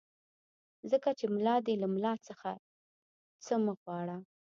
ځکه چې ملا دی له ملا څخه څه مه غواړه.